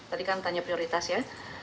tadi kan tanya prioritas ya